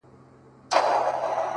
هو په همزولو کي له ټولو څخه پاس يمه;